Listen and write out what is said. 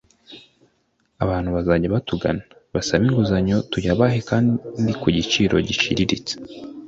abantu bazajya batugana basabe inguzanyo tuyabahe kandi ku giciro giciriritse